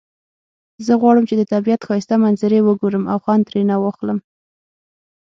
زه غواړم چې د طبیعت ښایسته منظری وګورم او خوند ترینه واخلم